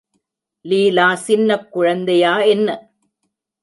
லீலா சின்னக் குழந்தையா என்ன?